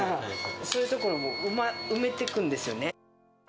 そういうところも埋めてくんですよね。